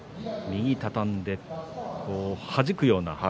右を畳んで、はじくような。